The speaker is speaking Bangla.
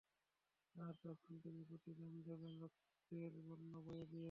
আর, এখন তিনি প্রতিদান দেবেন রক্তের বন্যা বইয়ে দিয়ে!